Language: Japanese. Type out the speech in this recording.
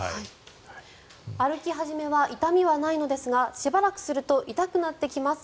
歩き始めは痛みはないのですがしばらくすると痛くなってきます。